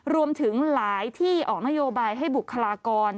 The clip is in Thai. รวมถึงหลายที่ออกนโยบายให้บุคลากร